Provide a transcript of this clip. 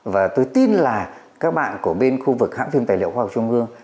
và tôi tin là các bạn của bên khu vực hãng phim tài liệu khoa học trung ương